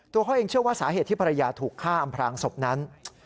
เขาเองเชื่อว่าสาเหตุที่ภรรยาถูกฆ่าอำพลางศพนั้น